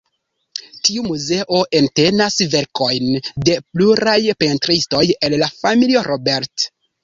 Tiu muzeo entenas verkojn de pluraj pentristoj el la familio Robert.